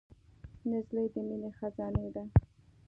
نجلۍ د مینې خزانې ده.